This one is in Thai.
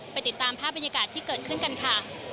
ติดตามภาพบรรยากาศที่เกิดขึ้นกันค่ะ